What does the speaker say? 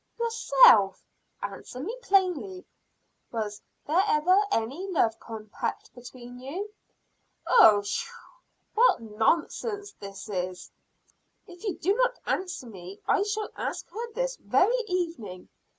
"Yourself. Answer me plainly. Was there ever any love compact between you?" "Oh, pshaw! what nonsense all this is!" "If you do not answer me, I shall ask her this very evening."